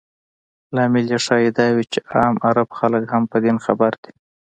لامل یې ښایي دا وي چې عام عرب خلک هم په دین خبر دي.